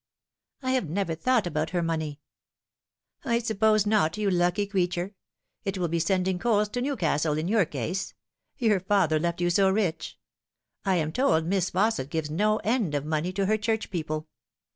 " I have never thought about her money." " I suppose not, you lucky creature. It will be sending coals to Newcastle in your case. Your father left you so rich. I am told Miss Fausset gives no end of money to her church people.